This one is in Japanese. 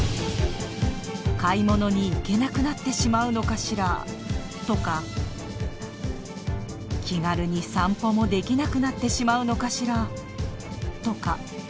「買い物に行けなくなってしまうのかしら」とか「気軽に散歩もできなくなってしまうのかしら」とか。